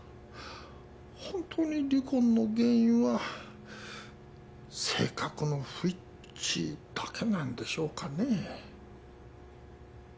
本当に離婚の原因は性格の不一致だけなんでしょうかね？